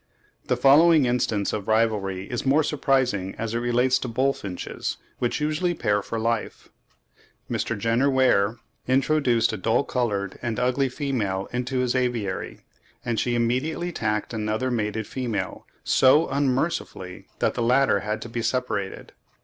The following instance of rivalry is more surprising as it relates to bullfinches, which usually pair for life. Mr. Jenner Weir introduced a dull coloured and ugly female into his aviary, and she immediately attacked another mated female so unmercifully that the latter had to be separated.